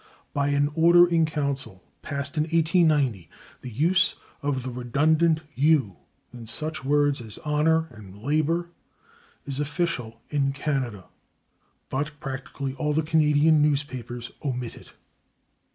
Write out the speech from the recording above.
By an Order in Council, passed in 1890, the use of the redundant /u/ in such words as /honor/ and /labor/ is official in Canada, but practically all the Canadian newspapers omit it.